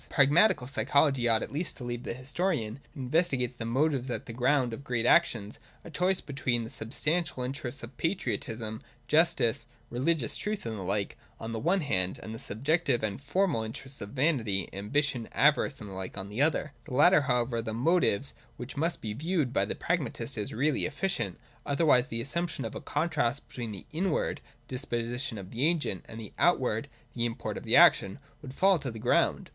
A pragmatical psychology ought at least to leave the historian, who investigates the motives at the ground of great actions, a choice between the ' substantial' interests of patriotism, justice, religious truth and the like, on the one hand, and the subjective and 'formal' interests of vanity ambition, avarice and the like, on the other. The latter 140 142.] ACTUALITY. 257 however are the motives which must be viewed by the pragmatist as really efficient, otherwise the assumption of a contrast between the inward (the disposition of the agent) and the outward (the import of the action) would fall to the ground.